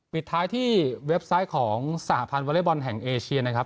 ปิดท้ายที่เว็บไซต์ของสหพันธ์วอเล็กบอลแห่งเอเชียนะครับ